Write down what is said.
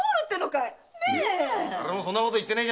誰もそんなこと言ってねえ！